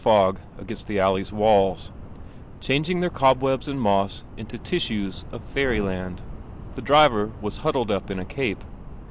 ■ ainst the alley's walls, changing their cobwebs and moss into tissue t fairyland. The driver was huddled up in a cape.